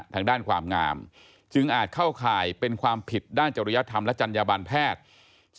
ทางด้านความงามจึงอาจเข้าข่ายเป็นความผิดด้านจริยธรรมและจัญญบันแพทย์